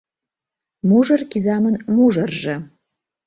Мужыр кизамын мужыржо